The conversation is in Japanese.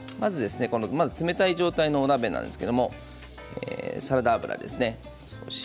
まず冷たい状態のお鍋なんですけれどサラダ油ですね。